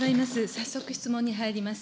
早速質問に入ります。